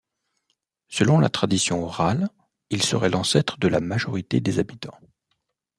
Selon la tradition orale, il serait l'ancêtre de la majorité des habitants.